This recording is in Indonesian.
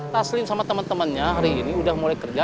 taslim sama temen temennya hari ini udah mulai kerja